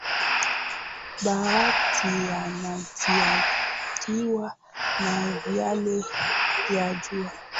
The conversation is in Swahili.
Bahati anadhihakiwa na miale ya jua